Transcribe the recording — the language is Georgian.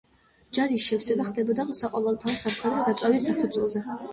ჯარის შევსება ხდებოდა საყოველთაო სამხედრო გაწვევის საფუძველზე.